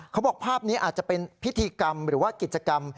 เขาบอกภาพนี้อาจจะเป็นพิธีกรรมหรือว่ากิจกรรม